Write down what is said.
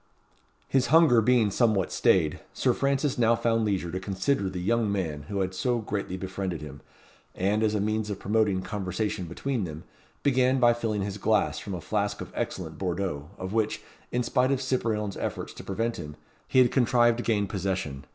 His hunger being somewhat stayed, Sir Francis now found leisure to consider the young man who had so greatly befriended him, and, as a means of promoting conversation between them, began by filling his glass from a flask of excellent Bordeaux, of which, in spite of Cyprien's efforts to prevent him, he had contrived to gain possession.